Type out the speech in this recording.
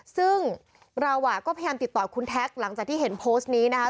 ซึ่งเราก็พยายามติดต่อคุณแท็กหลังจากที่เห็นโพสต์นี้นะคะ